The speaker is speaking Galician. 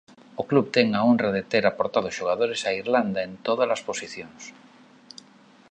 O club ten a honra de ter aportado xogadores a Irlanda en tódalas posicións.